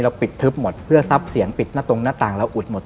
เราปิดทึบหมดเพื่อซับเสียงปิดตรงหน้าต่างเราอุดหมด